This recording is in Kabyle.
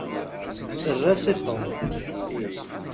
Err-as i Tom.